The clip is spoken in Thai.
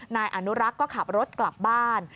นายอนุรักษ์ก็ขับรถกลับบ้าน